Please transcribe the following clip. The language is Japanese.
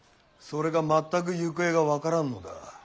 それが全く行方が分からんのだ。